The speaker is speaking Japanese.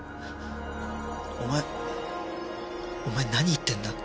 お前お前何言ってんだ？